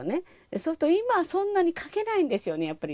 そうすると今はそんなに書けないんですよね、やっぱり。